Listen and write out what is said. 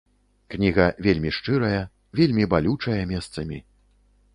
Кніга вельмі шчырая, вельмі балючая месцамі.